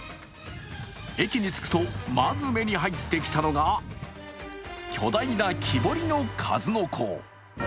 駅に着くとまず目に入ってきたのが巨大な木彫りの数の子。